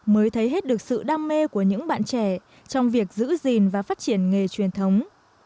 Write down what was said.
mới thấy hết được sự đam mê của những bạn trẻ trong việc giữ gìn và phát triển nghề truyền thống